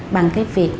bằng cái việc